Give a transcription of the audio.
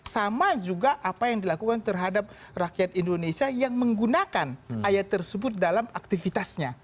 sama juga apa yang dilakukan terhadap rakyat indonesia yang menggunakan ayat tersebut dalam aktivitasnya